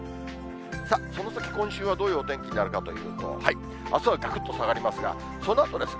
その先、今週はどういうお天気になるかというと、あすはがくっと下がりますが、そのあとですね。